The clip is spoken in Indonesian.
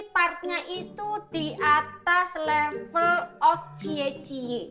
partnya itu di atas level of g